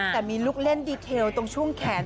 แต่มีลูกเล่นดีเทลตรงช่วงแขน